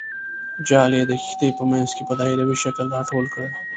جال یې د کښتۍ په منځ کې په دایروي شکل راټول کړ.